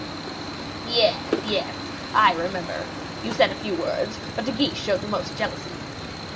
"Yes, yes; I remember. You said a few words, but De Guiche showed the most jealousy."